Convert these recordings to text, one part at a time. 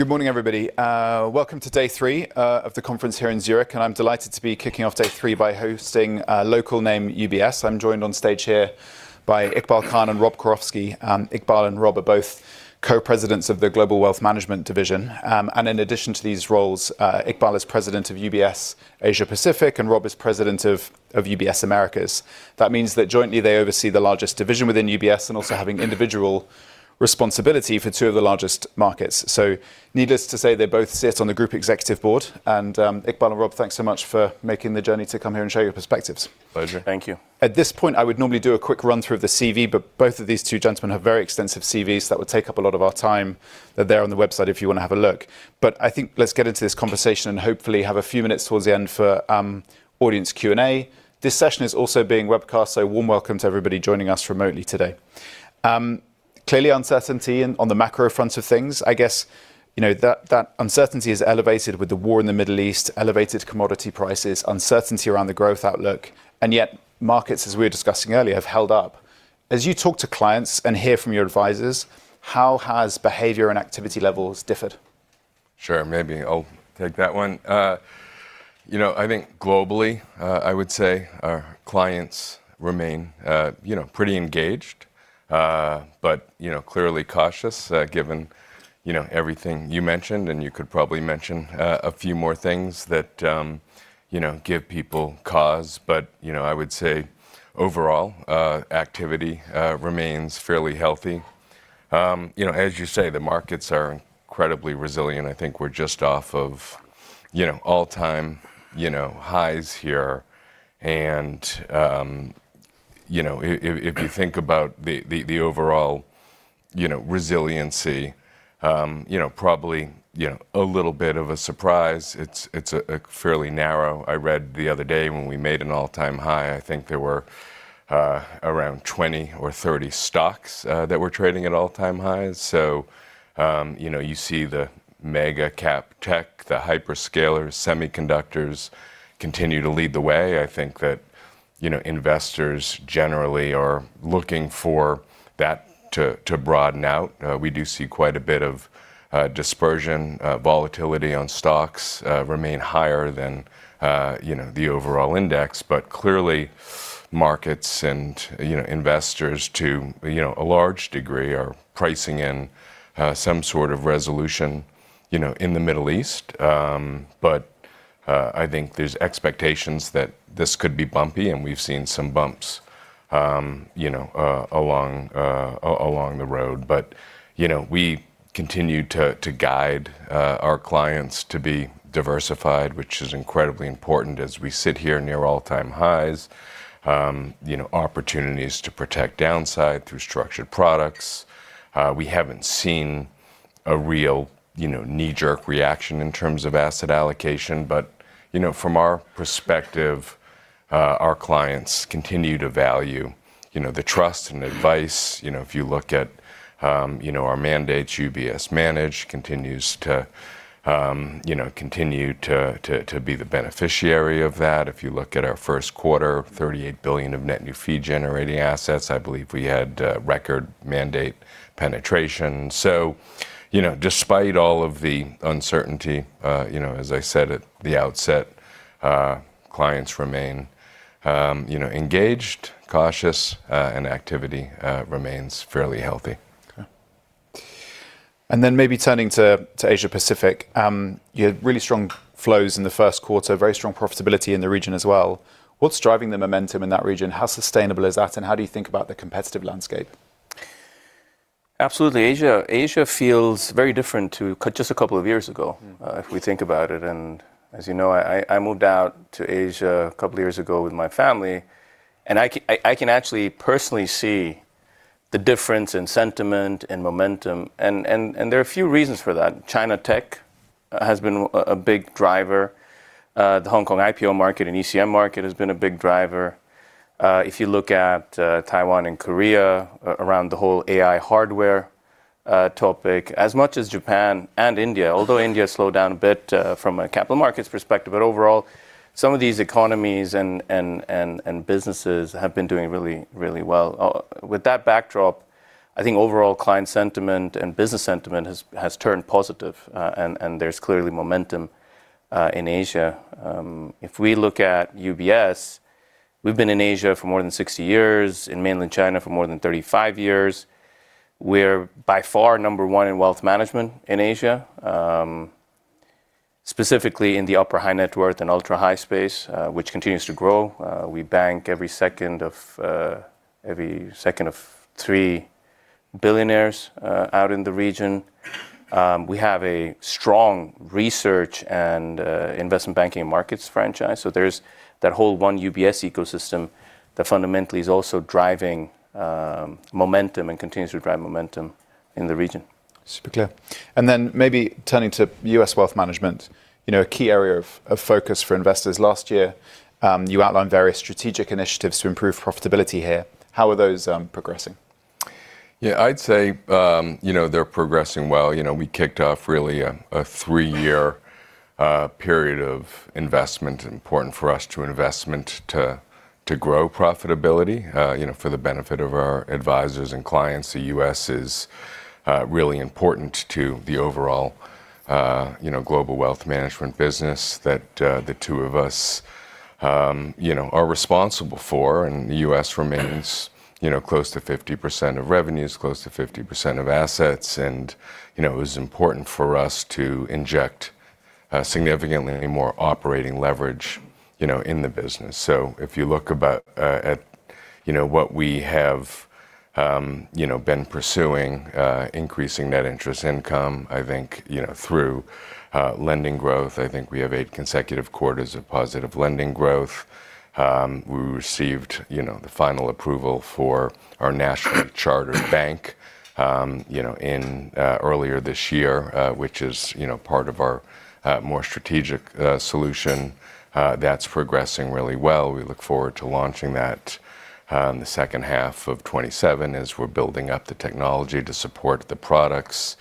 Good morning, everybody. Welcome to day three of the conference here in Zurich, and I'm delighted to be kicking off day three by hosting a local name, UBS. I'm joined on stage here by Iqbal Khan and Rob Karofsky. Iqbal and Rob are both co-presidents of the Global Wealth Management division. In addition to these roles, Iqbal is president of UBS Asia Pacific and Rob is president of UBS Americas. That means that jointly they oversee the largest division within UBS, and also having individual responsibility for two of the largest markets. Needless to say, they both sit on the Group Executive Board. Iqbal and Rob, thanks so much for making the journey to come here and share your perspectives. Pleasure. Thank you. At this point, I would normally do a quick run-through of the CV, both of these two gentlemen have very extensive CVs that would take up a lot of our time. They're there on the website if you want to have a look. I think let's get into this conversation and hopefully have a few minutes towards the end for audience Q&A. This session is also being webcast, warm welcome to everybody joining us remotely today. Clearly uncertainty on the macro front of things, I guess that uncertainty is elevated with the war in the Middle East, elevated commodity prices, uncertainty around the growth outlook, yet markets, as we were discussing earlier, have held up. As you talk to clients and hear from your advisors, how has behavior and activity levels differed? Sure. Maybe I'll take that one. I think globally, I would say our clients remain pretty engaged, but clearly cautious, given everything you mentioned, and you could probably mention a few more things that give people cause. I would say overall, activity remains fairly healthy. As you say, the markets are incredibly resilient. I think we're just off of all-time highs here. If you think about the overall resiliency, probably a little bit of a surprise, it's fairly narrow. I read the other day when we made an all-time high, I think there were around 20 or 30 stocks that were trading at all-time highs. You see the mega cap tech, the hyperscalers, semiconductors continue to lead the way. I think that investors generally are looking for that to broaden out. We do see quite a bit of dispersion. Volatility on stocks remain higher than the overall index. Clearly markets and investors to a large degree are pricing in some sort of resolution in the Middle East. I think there's expectations that this could be bumpy, and we've seen some bumps along the road. We continue to guide our clients to be diversified, which is incredibly important as we sit here near all-time highs, opportunities to protect downside through structured products. We haven't seen a real knee-jerk reaction in terms of asset allocation. From our perspective, our clients continue to value the trust and advice. If you look at our mandates, UBS Manage continues to be the beneficiary of that. If you look at our first quarter, 38 billion of net new fee-generating assets, I believe we had record mandate penetration. Despite all of the uncertainty, as I said at the outset, clients remain engaged, cautious, and activity remains fairly healthy. Okay. Maybe turning to Asia Pacific, you had really strong flows in the first quarter, very strong profitability in the region as well. What's driving the momentum in that region? How sustainable is that, and how do you think about the competitive landscape? Absolutely. Asia feels very different to just a couple of years ago, if we think about it. As you know, I moved out to Asia a couple of years ago with my family, and I can actually personally see the difference in sentiment and momentum, and there are a few reasons for that. China tech has been a big driver. The Hong Kong IPO market and ECM market has been a big driver. If you look at Taiwan and Korea around the whole AI hardware topic, as much as Japan and India, although India slowed down a bit from a capital markets perspective, but overall, some of these economies and businesses have been doing really well. With that backdrop, I think overall client sentiment and business sentiment has turned positive, and there's clearly momentum in Asia. If we look at UBS, we've been in Asia for more than 60 years, in mainland China for more than 35 years. We're by far number one in wealth management in Asia, specifically in the upper high net worth and ultra high space, which continues to grow. We bank every second of three billionaires out in the region. We have a strong research and investment banking and markets franchise, so there's that whole one UBS ecosystem that fundamentally is also driving momentum and continues to drive momentum in the region. Super clear. Maybe turning to U.S. wealth management, a key area of focus for investors. Last year, you outlined various strategic initiatives to improve profitability here. How are those progressing? Yeah, I'd say they're progressing well. We kicked off really a three-year period of investment important for us to grow profitability for the benefit of our advisors and clients. The U.S. is really important to the overall Global Wealth Management business that the two of us are responsible for. The U.S. remains close to 50% of revenues, close to 50% of assets, and it was important for us to inject significantly more operating leverage in the business. If you look at what we have been pursuing, increasing net interest income, I think through lending growth, I think we have eight consecutive quarters of positive lending growth. We received the final approval for our nationally chartered bank earlier this year, which is part of our more strategic solution. That's progressing really well. We look forward to launching that in the second half of 2027 as we're building up the technology to support the products.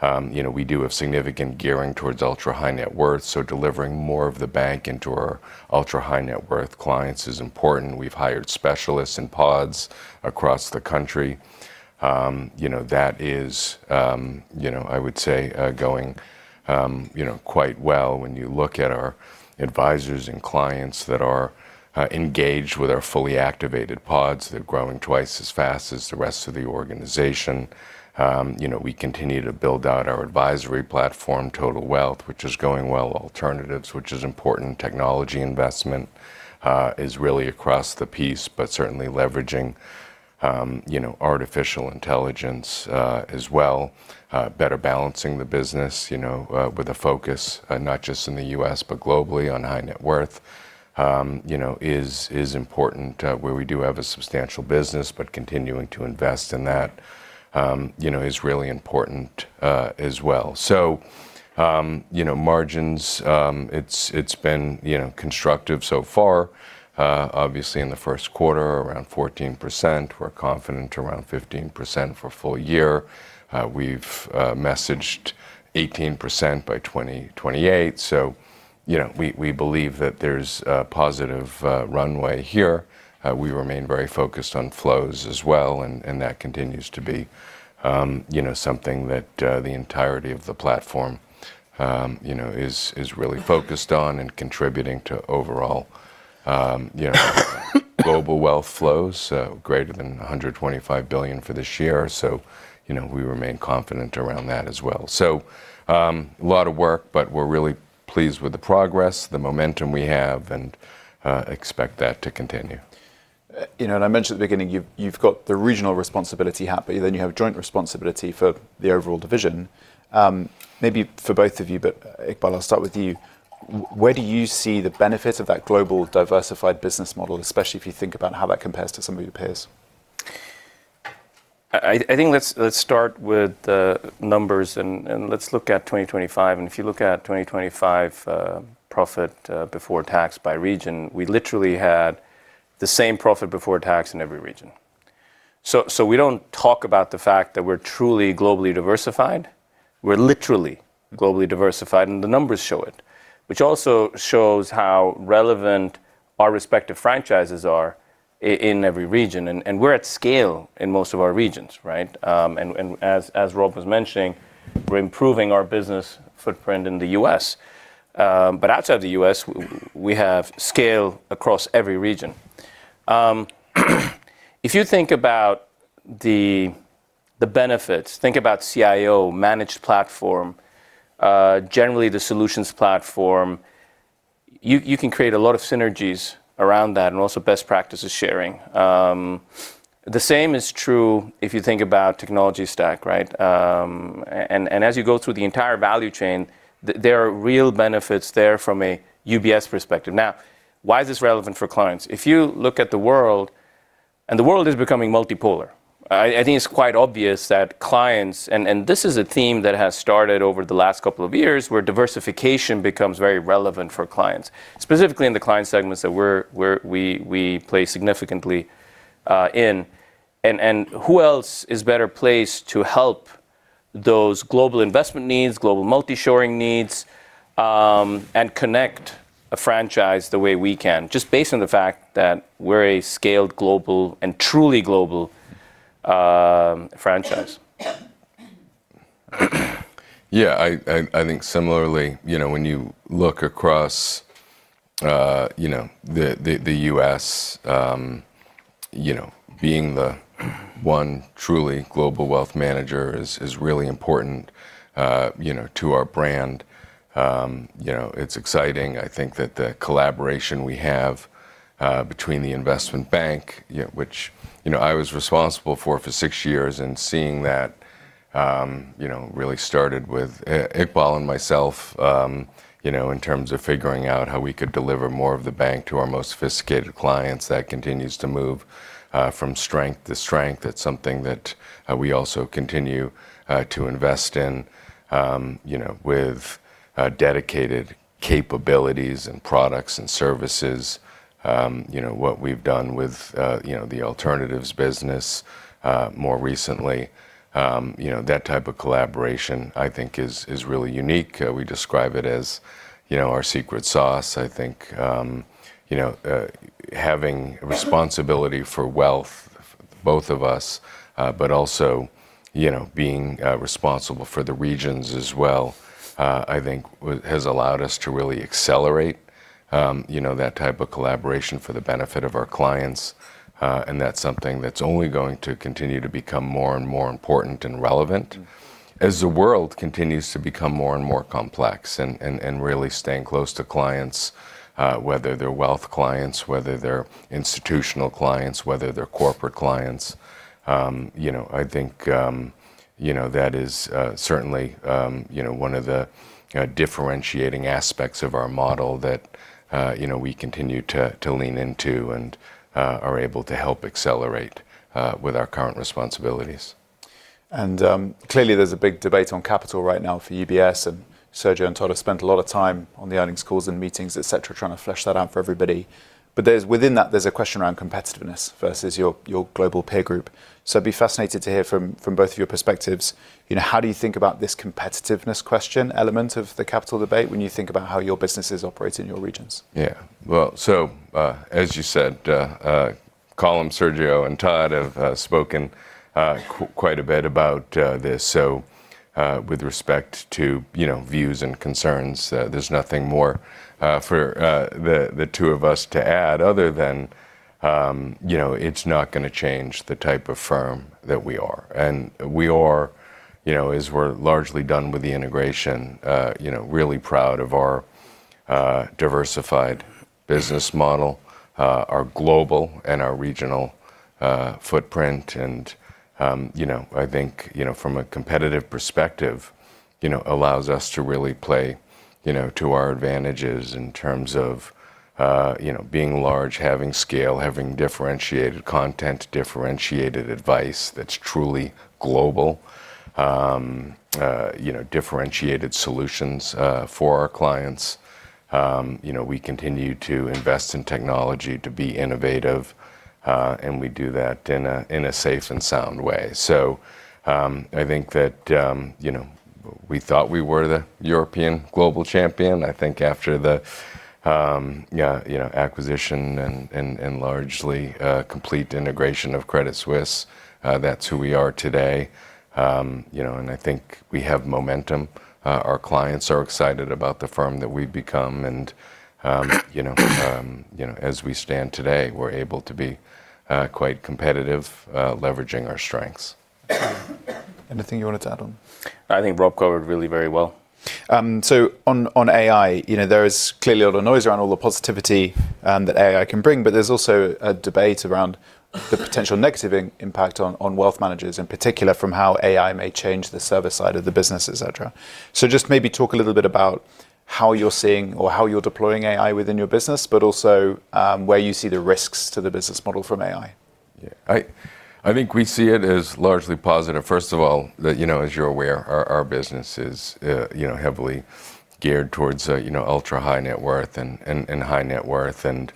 We do have significant gearing towards ultra high net worth, so delivering more of the bank into our ultra high net worth clients is important. We've hired specialists in pods across the country. That is, I would say, going quite well. When you look at our advisors and clients that are engaged with our fully activated pods, they're growing twice as fast as the rest of the organization. We continue to build out our advisory platform, Total Wealth, which is going well. Alternatives, which is important. Technology investment is really across the piece, but certainly leveraging artificial intelligence as well. Better balancing the business with a focus not just in the U.S. but globally on high net worth is important, where we do have a substantial business, but continuing to invest in that is really important as well. Margins, it's been constructive so far. Obviously, in the first quarter, around 14%. We're confident around 15% for full year. We've messaged 18% by 2028. We believe that there's a positive runway here. We remain very focused on flows as well, and that continues to be something that the entirety of the platform is really focused on and contributing to overall Global Wealth flows greater than 125 billion for this year. We remain confident around that as well. A lot of work, but we're really pleased with the progress, the momentum we have, and expect that to continue. I mentioned at the beginning, you've got the regional responsibility hat, but then you have joint responsibility for the overall division. Maybe for both of you, but Iqbal, I'll start with you. Where do you see the benefit of that global diversified business model, especially if you think about how that compares to some of your peers? I think let's start with the numbers. Let's look at 2025. If you look at 2025 profit before tax by region, we literally had the same profit before tax in every region. We don't talk about the fact that we're truly globally diversified. We're literally globally diversified. The numbers show it, which also shows how relevant our respective franchises are in every region. We're at scale in most of our regions, right? As Rob was mentioning, we're improving our business footprint in the U.S. Outside the U.S., we have scale across every region. If you think about the benefits, think about CIO, managed platform, generally the solutions platform, you can create a lot of synergies around that and also best practices sharing. The same is true if you think about technology stack, right? As you go through the entire value chain, there are real benefits there from a UBS perspective. Now, why is this relevant for clients? If you look at the world, and the world is becoming multipolar. I think it's quite obvious that clients, and this is a theme that has started over the last couple of years, where diversification becomes very relevant for clients, specifically in the client segments that we play significantly in. Who else is better placed to help those global investment needs, global multi-shoring needs, and connect a franchise the way we can, just based on the fact that we're a scaled global and truly global franchise? Yeah. I think similarly, when you look across the U.S., being the one truly Global Wealth manager is really important to our brand. It's exciting. I think that the collaboration we have between the investment bank, which I was responsible for six years, and seeing that really started with Iqbal and myself, in terms of figuring out how we could deliver more of the bank to our most sophisticated clients. That continues to move from strength to strength. It's something that we also continue to invest in with dedicated capabilities and products and services. What we've done with the alternatives business more recently, that type of collaboration, I think is really unique. We describe it as our secret sauce. I think having responsibility for wealth, both of us, but also being responsible for the regions as well, I think has allowed us to really accelerate that type of collaboration for the benefit of our clients. That's something that's only going to continue to become more and more important and relevant as the world continues to become more and more complex, and really staying close to clients, whether they're wealth clients, whether they're institutional clients, whether they're corporate clients. I think that is certainly one of the differentiating aspects of our model that we continue to lean into and are able to help accelerate with our current responsibilities. Clearly there's a big debate on capital right now for UBS. Sergio and Todd have spent a lot of time on the earnings calls and meetings, et cetera, trying to flesh that out for everybody. Within that, there's a question around competitiveness versus your global peer group. I'd be fascinated to hear from both of your perspectives, how do you think about this competitiveness question element of the capital debate when you think about how your businesses operate in your regions? Well, as you said, Colm, Sergio, and Todd have spoken quite a bit about this. With respect to views and concerns, there's nothing more for the two of us to add other than it's not going to change the type of firm that we are. We are, as we're largely done with the integration, really proud of our diversified business model, our global and our regional footprint. I think from a competitive perspective, allows us to really play to our advantages in terms of being large, having scale, having differentiated content, differentiated advice that's truly global, differentiated solutions for our clients. We continue to invest in technology to be innovative, and we do that in a safe and sound way. I think that we thought we were the European global champion. I think after the acquisition and largely complete integration of Credit Suisse, that's who we are today. I think we have momentum. Our clients are excited about the firm that we've become, and as we stand today, we're able to be quite competitive, leveraging our strengths. Anything you wanted to add on? I think Rob covered really very well. On AI, there is clearly a lot of noise around all the positivity that AI can bring, but there's also a debate around the potential negative impact on wealth managers in particular, from how AI may change the service side of the business, et cetera. Just maybe talk a little bit about how you're seeing or how you're deploying AI within your business, but also where you see the risks to the business model from AI. Yeah. I think we see it as largely positive. As you're aware, our business is heavily geared towards ultra high net worth and high net worth, and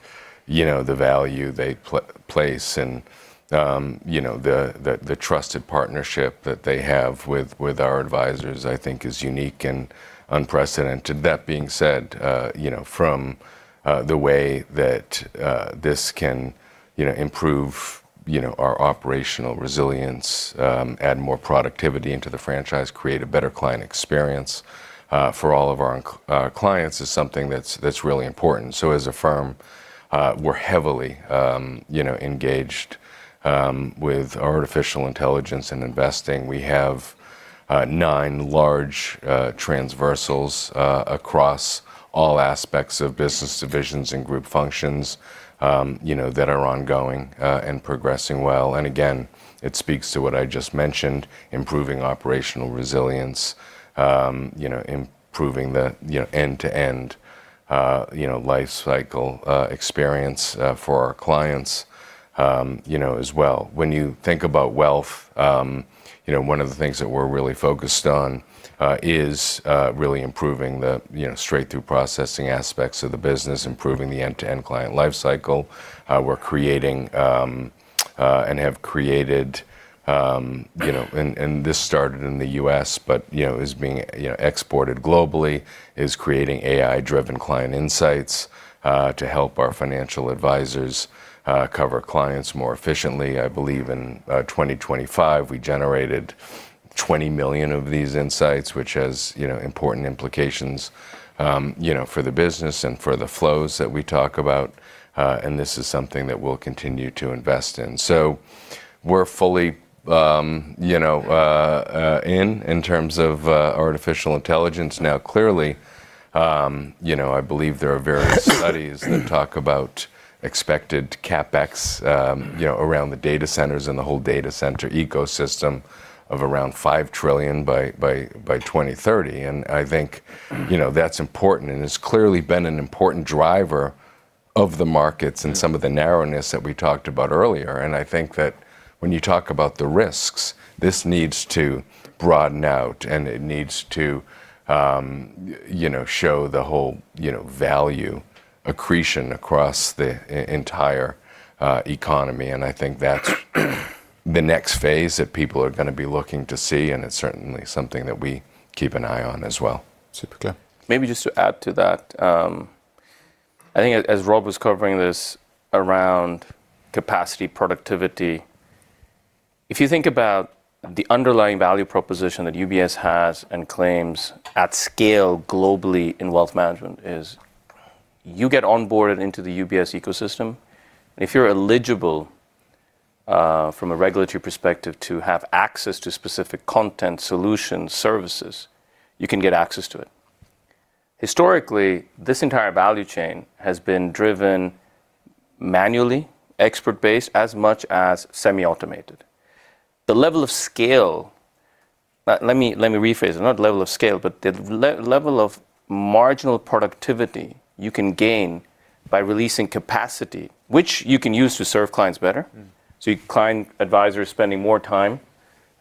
the value they place and the trusted partnership that they have with our advisors, I think is unique and unprecedented. That being said, from the way that this can improve our operational resilience, add more productivity into the franchise, create a better client experience for all of our clients, is something that's really important. As a firm, we're heavily engaged with artificial intelligence and investing. We have nine large transversals across all aspects of business divisions and group functions that are ongoing and progressing well. Again, it speaks to what I just mentioned, improving operational resilience, improving the end-to-end life cycle experience for our clients as well. When you think about wealth, one of the things that we're really focused on is really improving the straight-through processing aspects of the business, improving the end-to-end client life cycle. We're creating and have created, and this started in the U.S., but is being exported globally, is creating AI-driven client insights to help our financial advisors cover clients more efficiently. I believe in 2025, we generated 20 million of these insights, which has important implications for the business and for the flows that we talk about. This is something that we'll continue to invest in. We're fully in terms of artificial intelligence. Clearly, I believe there are various studies that talk about expected CapEx around the data centers and the whole data center ecosystem of around 5 trillion by 2030. I think that's important, and it's clearly been an important driver of the markets and some of the narrowness that we talked about earlier. I think that when you talk about the risks, this needs to broaden out, and it needs to show the whole value accretion across the entire economy. The next phase that people are going to be looking to see, and it's certainly something that we keep an eye on as well. Super clear. Maybe just to add to that. I think as Rob was covering this around capacity productivity. If you think about the underlying value proposition that UBS has and claims at scale globally in wealth management is you get onboarded into the UBS ecosystem, and if you're eligible from a regulatory perspective to have access to specific content, solutions, services, you can get access to it. Historically, this entire value chain has been driven manually, expert-based as much as semi-automated. Let me rephrase. Not level of scale, but the level of marginal productivity you can gain by releasing capacity, which you can use to serve clients better. Your client advisor is spending more time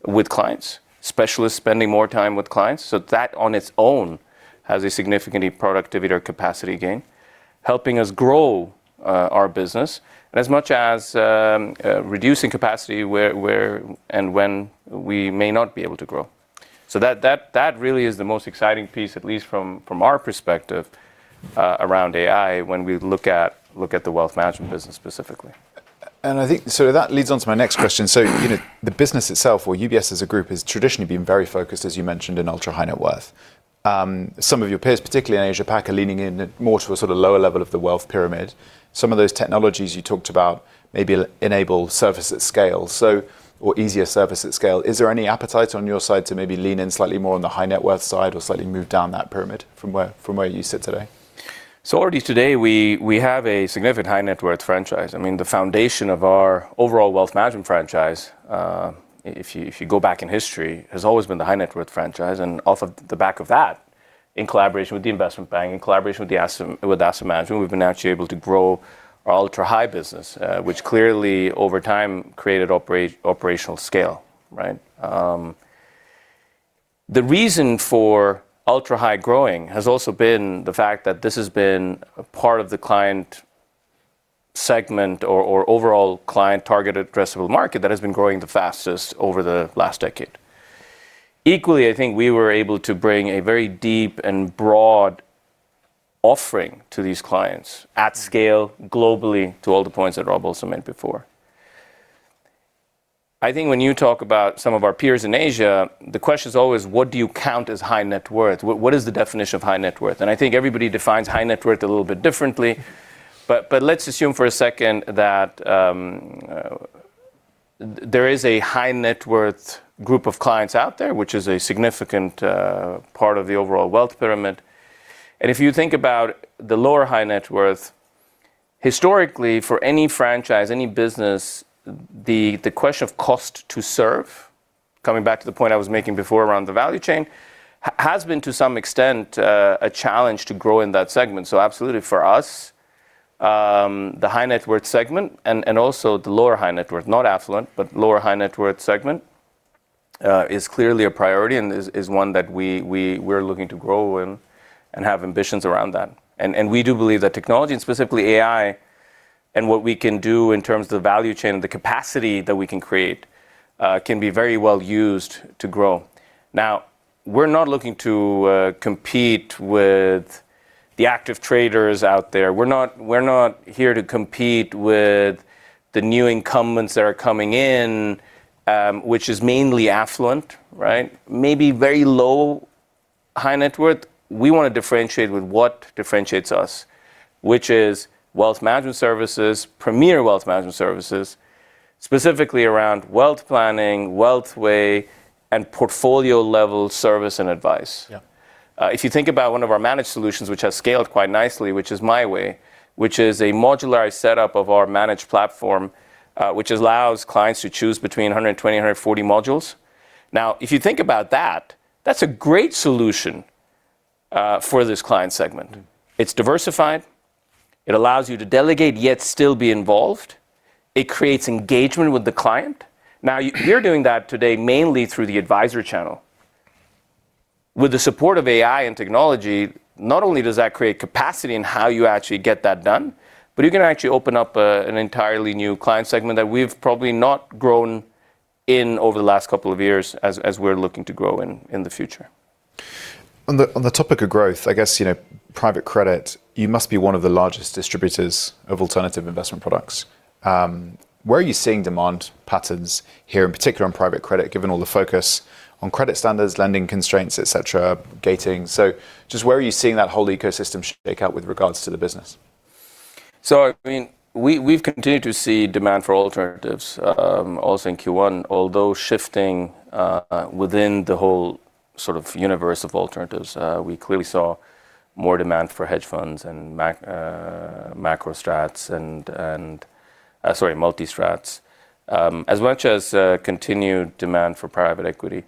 with clients, specialists spending more time with clients. That on its own has a significant productivity or capacity gain, helping us grow our business as much as reducing capacity where and when we may not be able to grow. That really is the most exciting piece, at least from our perspective, around AI when we look at the wealth management business specifically. I think, that leads on to my next question. The business itself or UBS as a group, has traditionally been very focused, as you mentioned, in ultra high net worth. Some of your peers, particularly in Asia Pac, are leaning in more to a sort of lower level of the wealth pyramid. Some of those technologies you talked about maybe enable service at scale, or easier service at scale. Is there any appetite on your side to maybe lean in slightly more on the high net worth side or slightly move down that pyramid from where you sit today? Already today, we have a significant high-net-worth franchise. I mean, the foundation of our overall wealth management franchise, if you go back in history, has always been the high-net-worth franchise. Off of the back of that, in collaboration with the investment bank, in collaboration with Asset Management, we've been actually able to grow our ultra-high business, which clearly over time created operational scale. Right? The reason for ultra-high growing has also been the fact that this has been a part of the client segment or overall client target addressable market that has been growing the fastest over the last decade. Equally, I think we were able to bring a very deep and broad offering to these clients at scale globally, to all the points that Rob also made before. I think when you talk about some of our peers in Asia, the question is always what do you count as high net worth? What is the definition of high net worth? I think everybody defines high net worth a little bit differently. Let's assume for a second that there is a high net worth group of clients out there, which is a significant part of the overall wealth pyramid. If you think about the lower high net worth, historically for any franchise, any business, the question of cost to serve, coming back to the point I was making before around the value chain, has been to some extent a challenge to grow in that segment. Absolutely for us, the high net worth segment and also the lower high net worth, not affluent, but lower high net worth segment, is clearly a priority and is one that we're looking to grow in and have ambitions around that. We do believe that technology and specifically AI and what we can do in terms of the value chain and the capacity that we can create, can be very well used to grow. We're not looking to compete with the active traders out there. We're not here to compete with the new incumbents that are coming in, which is mainly affluent, right, maybe very low high net worth. We want to differentiate with what differentiates us, which is wealth management services, premier wealth management services, specifically around wealth planning, Wealth Way, and portfolio-level service and advice. Yeah. If you think about one of our managed solutions, which has scaled quite nicely, which is MyWay, which is a modularized setup of our managed platform, which allows clients to choose between 120, 140 modules. Now, if you think about that's a great solution for this client segment. It's diversified. It allows you to delegate, yet still be involved. It creates engagement with the client. You're doing that today mainly through the advisor channel. With the support of AI and technology, not only does that create capacity in how you actually get that done, but you can actually open up an entirely new client segment that we've probably not grown in over the last couple of years as we're looking to grow in the future. On the topic of growth, I guess, private credit, you must be one of the largest distributors of alternative investment products. Where are you seeing demand patterns here, in particular on private credit, given all the focus on credit standards, lending constraints, et cetera, gating? Just where are you seeing that whole ecosystem shake out with regards to the business? I mean, we've continued to see demand for alternatives also in Q1, although shifting within the whole sort of universe of alternatives. We clearly saw more demand for hedge funds and macro strats and, sorry, multi-strats. As much as continued demand for private equity.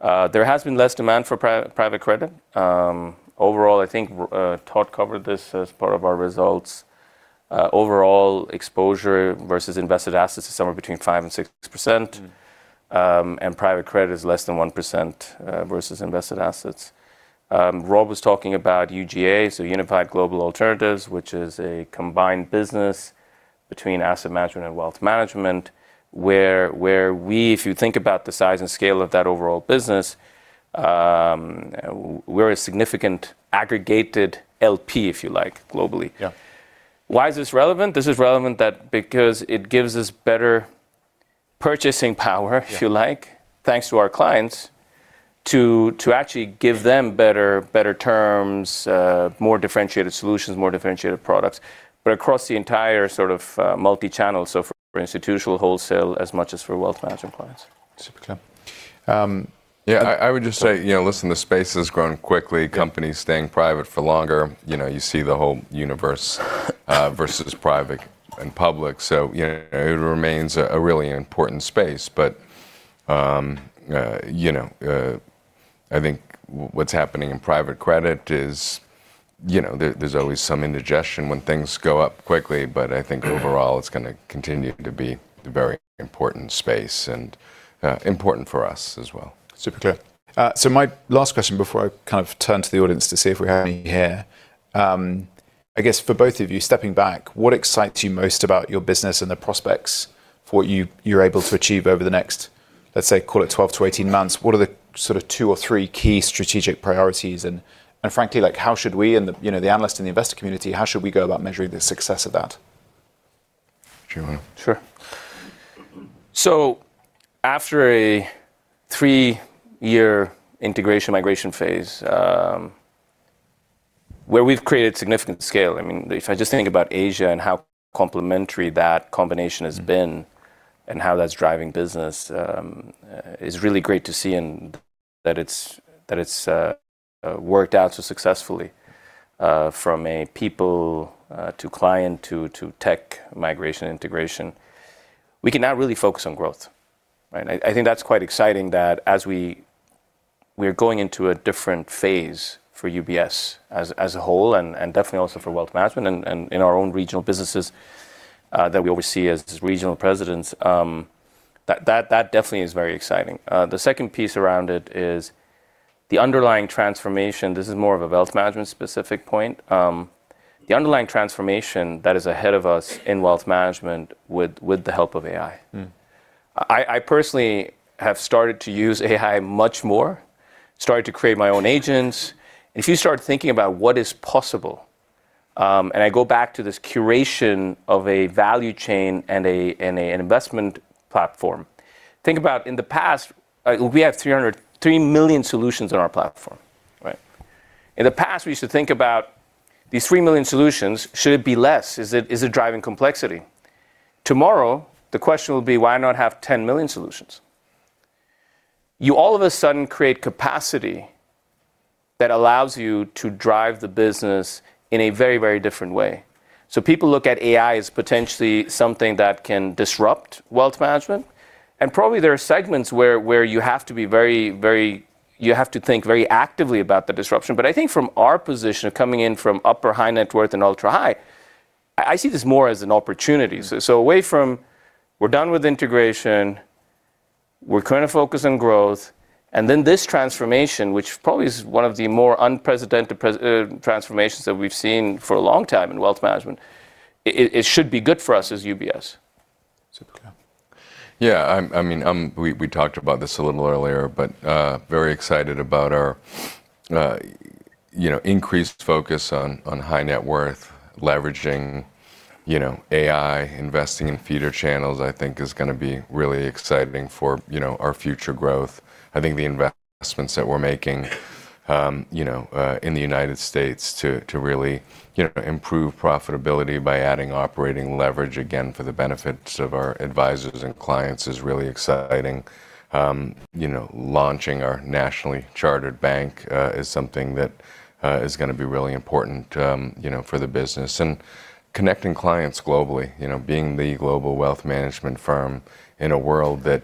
There has been less demand for private credit. Overall, I think Todd covered this as part of our results. Overall exposure versus invested assets is somewhere between 5% and 6%. Private credit is less than 1% versus invested assets. Rob was talking about UGA, so Unified Global Alternatives, which is a combined business between asset management and wealth management, where if you think about the size and scale of that overall business, we're a significant aggregated LP, if you like, globally. Yeah. Why is this relevant? This is relevant because it gives us better purchasing power. Yeah if you like, thanks to our clients, to actually give them better terms, more differentiated solutions, more differentiated products, but across the entire multi-channel, so for institutional wholesale as much as for wealth management clients. Super clear. Yeah, I would just say, listen, the space has grown quickly. Yeah. Companies staying private for longer. You see the whole universe versus private and public. It remains a really important space. I think what's happening in private credit is there's always some indigestion when things go up quickly, but I think overall it's going to continue to be a very important space and important for us as well. Super clear. My last question before I turn to the audience to see if we have any here. I guess, for both of you, stepping back, what excites you most about your business and the prospects for what you're able to achieve over the next, let's say, call it 12-18 months? What are the two or three key strategic priorities and, frankly, how should we and the analyst and the investor community, how should we go about measuring the success of that? Do you want to? Sure. After a three-year integration/migration phase, where we've created significant scale, if I just think about Asia and how complementary that combination has been and how that's driving business, is really great to see and that it's worked out so successfully. From a people to client to tech migration integration, we can now really focus on growth. Right? I think that's quite exciting that as we're going into a different phase for UBS as a whole, and definitely also for wealth management and in our own regional businesses that we oversee as regional presidents, that definitely is very exciting. The second piece around it is the underlying transformation. This is more of a wealth management specific point. The underlying transformation that is ahead of us in wealth management with the help of AI. I personally have started to use AI much more, started to create my own agents. If you start thinking about what is possible, and I go back to this curation of a value chain and an investment platform. Think about in the past, we have three million solutions on our platform. Right? In the past, we used to think about these three million solutions, should it be less? Is it driving complexity? Tomorrow, the question will be why not have 10 million solutions? You all of a sudden create capacity that allows you to drive the business in a very different way. People look at AI as potentially something that can disrupt wealth management, and probably there are segments where you have to think very actively about the disruption. I think from our position of coming in from upper high net worth and ultra-high, I see this more as an opportunity. Away from we're done with integration, we're currently focused on growth, and then this transformation, which probably is one of the more unprecedented transformations that we've seen for a long time in wealth management. It should be good for us as UBS. Super clear. Yeah. We talked about this a little earlier, but very excited about our increased focus on high net worth, leveraging AI, investing in feeder channels, I think is going to be really exciting for our future growth. I think the investments that we're making in the U.S. to really improve profitability by adding operating leverage, again, for the benefit of our advisors and clients is really exciting. Launching our nationally chartered bank is something that is going to be really important for the business. Connecting clients globally, being the Global Wealth Management firm in a world that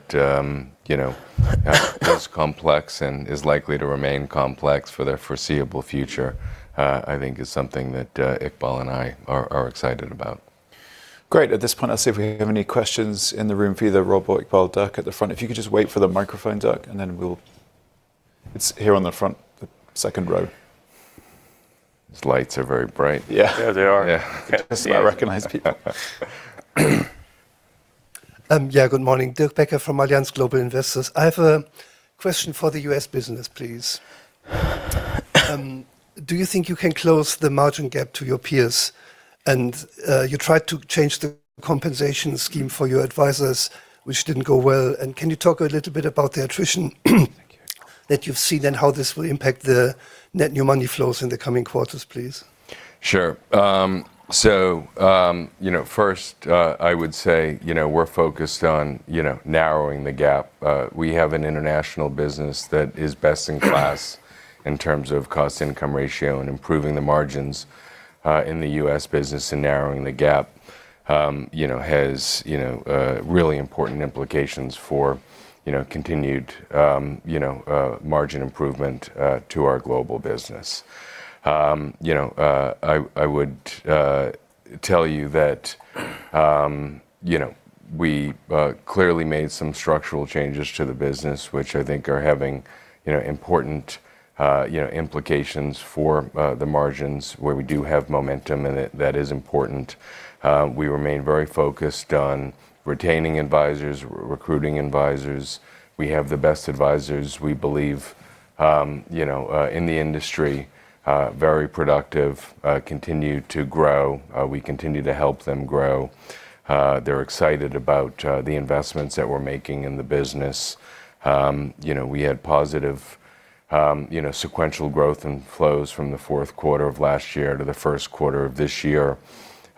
is complex and is likely to remain complex for the foreseeable future, I think is something that Iqbal and I are excited about. Great. At this point, I'll see if we have any questions in the room for either Rob or Iqbal. Dirk at the front. If you could just wait for the microphone, Dirk, and then we'll. It's here on the front, the second row. These lights are very bright. Yeah. Yeah, they are. Yeah. Just so I recognize people. Yeah. Good morning. Dirk Becker from Allianz Global Investors. I have a question for the U.S. business, please. Do you think you can close the margin gap to your peers? You tried to change the compensation scheme for your advisors, which didn't go well. Can you talk a little bit about the attrition that you've seen and how this will impact the net new money flows in the coming quarters, please? Sure. First, I would say, we're focused on narrowing the gap. We have an international business that is best in class in terms of cost income ratio and improving the margins in the U.S. business, and narrowing the gap has really important implications for continued margin improvement to our global business. I would tell you that. We clearly made some structural changes to the business, which I think are having important implications for the margins where we do have momentum, and that is important. We remain very focused on retaining advisors, recruiting advisors. We have the best advisors, we believe, in the industry. Very productive. Continue to grow. We continue to help them grow. They're excited about the investments that we're making in the business. We had positive sequential growth in flows from the fourth quarter of last year to the first quarter of this year.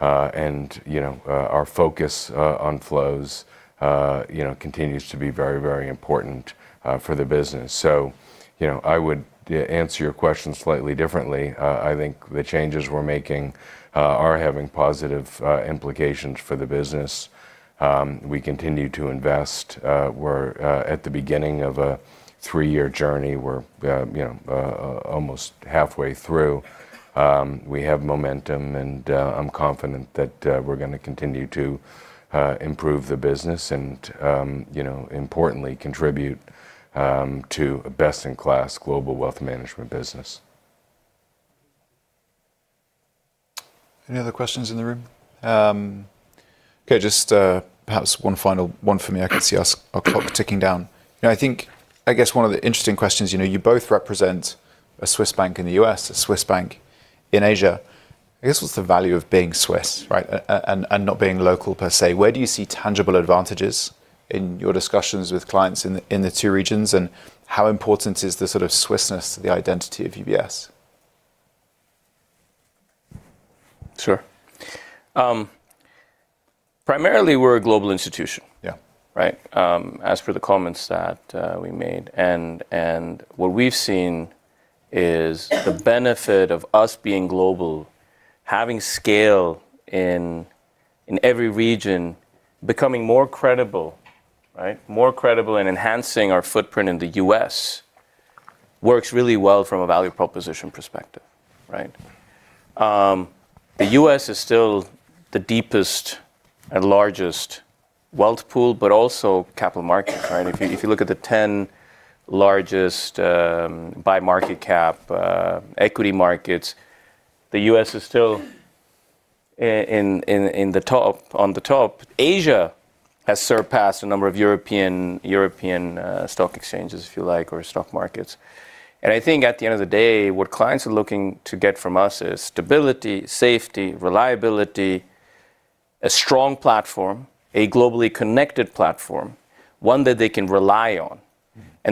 Our focus on flows continues to be very important for the business. I would answer your question slightly differently. I think the changes we're making are having positive implications for the business. We continue to invest. We're at the beginning of a three-year journey. We're almost halfway through. We have momentum, and I'm confident that we're going to continue to improve the business and, importantly, contribute to a best-in-class Global Wealth Management business. Any other questions in the room? Okay, just perhaps one final one from me. I can see our clock ticking down. I think one of the interesting questions, you both represent a Swiss bank in the U.S., a Swiss bank in Asia. What's the value of being Swiss, right, and not being local per se? Where do you see tangible advantages in your discussions with clients in the two regions, and how important is the sort of Swissness to the identity of UBS? Sure. Primarily, we're a global institution. Yeah. Right? As for the comments that we made, and what we've seen is the benefit of us being global, having scale in every region, becoming more credible, right? More credible and enhancing our footprint in the U.S. works really well from a value proposition perspective. Right? The U.S. is still the deepest and largest wealth pool, but also capital market, right? If you look at the 10 largest by market cap equity markets, the U.S. is still on the top. Asia has surpassed a number of European stock exchanges, if you like, or stock markets. I think at the end of the day, what clients are looking to get from us is stability, safety, reliability, a strong platform, a globally connected platform, one that they can rely on.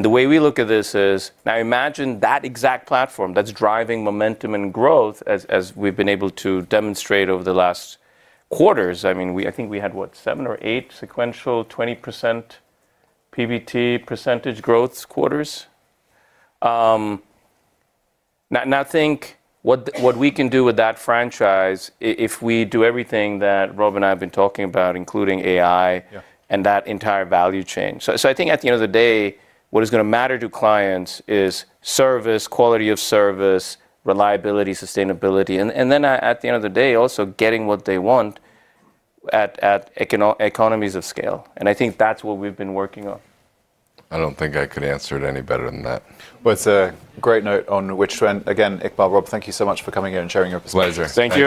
The way we look at this is, now imagine that exact platform that's driving momentum and growth as we've been able to demonstrate over the last quarters. I think we had, what, seven or eight sequential 20% PBT percentage growth quarters? Now think what we can do with that franchise if we do everything that Rob and I have been talking about, including AI. Yeah That entire value chain. I think at the end of the day, what is going to matter to clients is service, quality of service, reliability, sustainability, and then at the end of the day, also getting what they want at economies of scale. I think that's what we've been working on. I don't think I could answer it any better than that. Well, it's a great note on which to end. Again, Iqbal, Rob, thank you so much for coming here and sharing your perspective. Pleasure. Thank you.